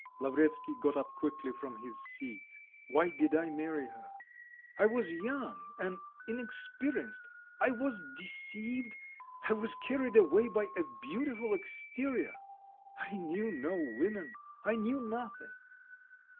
Lavretsky got up quickly from his seat. "Why did I marry her? I was young and inexperienced; I was deceived, I was carried away by a beautiful exterior. I knew no women. I knew nothing.